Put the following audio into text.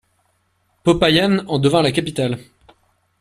Popayán en devint la capitale.